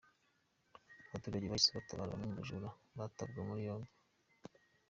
Abaturage bahise batabara bamwe mu bajura batabwa muri yombi.